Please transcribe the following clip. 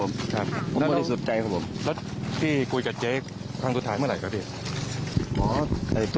ไม่เคยมีการทะเลาะกันครับผม